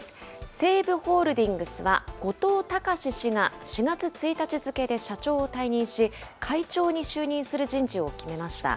西武ホールディングスは、後藤高志氏が４月１日付で社長を退任し、会長に就任する人事を決めました。